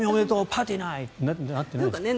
パーティーナイト！ってなってないですか？